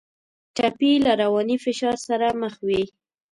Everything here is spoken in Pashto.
ټپي له رواني فشار سره مخ وي.